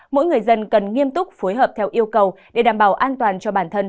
mỗi người dân cần nghiêm túc phối hợp theo yêu cầu để đảm bảo an toàn cho bản thân